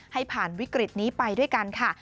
ให้ผ่านวิกฤตนี้ไปด้วยกันค่ะ